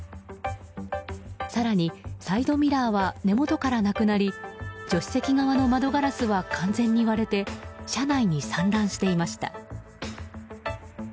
更に、サイドミラーは根元からなくなり助手席側の窓ガラスは完全に割れて車内に散乱していました。